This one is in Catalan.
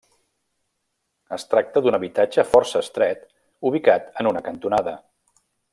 Es tracta d'un habitatge força estret ubicat en una cantonada.